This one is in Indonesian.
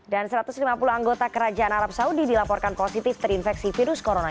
dan satu ratus lima puluh anggota kerajaan arab saudi dilaporkan positif terinfeksi virus corona